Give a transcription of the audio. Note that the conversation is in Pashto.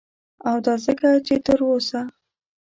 او دا ځکه چه تر اوسه